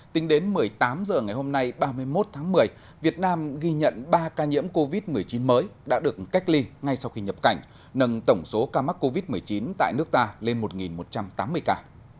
tính đến một mươi tám h ngày hôm nay ba mươi một tháng một mươi việt nam ghi nhận ba ca nhiễm covid một mươi chín mới đã được cách ly ngay sau khi nhập cảnh nâng tổng số ca mắc covid một mươi chín tại nước ta lên một một trăm tám mươi ca